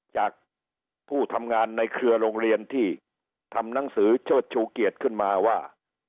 จากผู้ทำงานในเครือโรงเรียนที่ทำหนังสือเชิดชูเกียรติขึ้นมาว่า